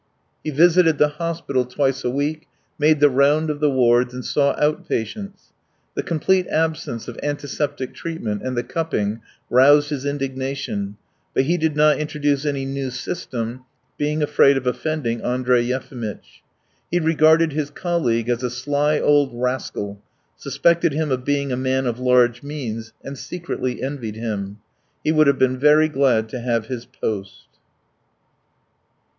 .." He visited the hospital twice a week, made the round of the wards, and saw out patients. The complete absence of antiseptic treatment and the cupping roused his indignation, but he did not introduce any new system, being afraid of offending Andrey Yefimitch. He regarded his colleague as a sly old rascal, suspected him of being a man of large means, and secretly envied him. He would have been very glad to have his post.